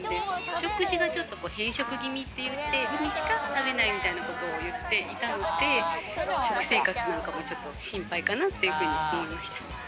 食事が偏食気味って言って、グミしか食べないみたいなことを言っていたので、食生活なんかもちょっと心配かなというふうに思いました。